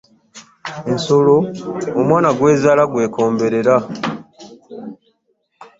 Ensolo omwan gw'ezaala gwekomberera .